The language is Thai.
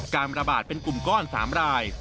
การระบาดเป็นกลุ่มก้อน๓ราย